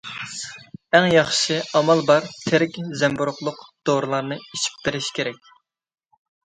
ئەڭ ياخشىسى ئامال بار تىرىك زەمبۇرۇغلۇق دورىلارنى ئېچىپ بېرىش كېرەك.